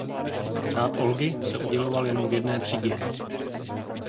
Řád Olgy se uděloval jenom v jedné třídě.